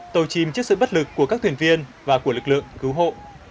tàu chìm trước sự bất lực của các thuyền viên và của lực lượng cứu hộ